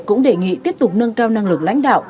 cũng đề nghị tiếp tục nâng cao năng lực lãnh đạo